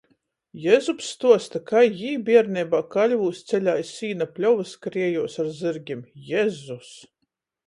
Jezups stuosta, kai jī bierneibā Kaļvūs ceļā iz sīna pļovu skriejuos ar zyrgim: Jezus!